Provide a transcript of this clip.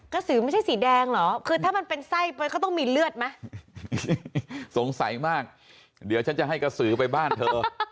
สือไม่ใช่สีแดงเหรอคือถ้ามันเป็นไส้ไปก็ต้องมีเลือดไหมสงสัยมากเดี๋ยวฉันจะให้กระสือไปบ้านเธอ